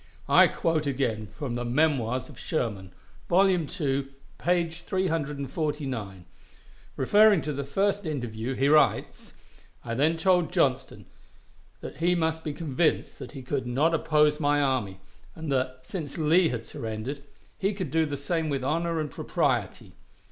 I quote again from the "Memoirs" of Sherman, vol. ii, p. 349. Referring to the first interview, he writes: "I then told Johnston that he must be convinced that he could not oppose my army, and that, since Lee had surrendered, he could do the same with honor and propriety.